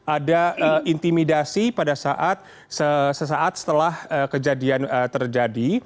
ada intimidasi pada saat sesaat setelah kejadian terjadi